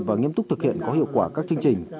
và nghiêm túc thực hiện có hiệu quả các chương trình